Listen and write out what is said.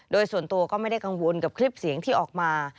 โดยส่วนตัวก็ไม่ได้กังวลกับคลิปเสียงที่ออกมา